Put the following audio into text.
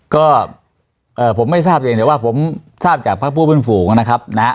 ก็ผมไม่ทราบเพียงแต่ว่าผมทราบจากพระผู้เป็นฝูงนะครับนะฮะ